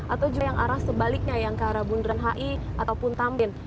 atau juga yang arah sebaliknya yang ke arah bundaran hi ataupun tambin